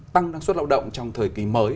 tăng năng suất lao động trong thời kỳ mới